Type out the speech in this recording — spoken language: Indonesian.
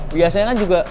biasanya kan juga